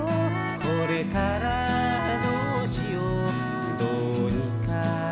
「これからどうしようどうにかなるさ」